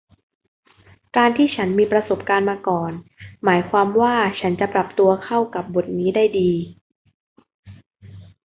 การที่ฉันมีประสบการณ์มาก่อนหมายความว่าฉันจะปรับตัวเข้ากับบทนี้ได้ดี